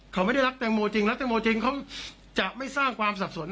เขาไม่ได้รักแตงโมจริงรักแตงโมจริงเขาจะไม่สร้างความสับสน